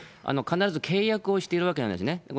必ず契約をしているわけなんですね。